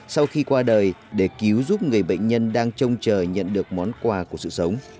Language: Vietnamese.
sau khi qua đời để cứu giúp người bệnh nhân đang trông chờ nhận được món quà của sự sống